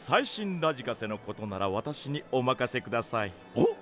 おっ！